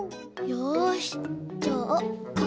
よしじゃあ。